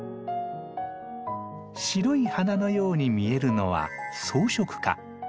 白い花のように見えるのは装飾花。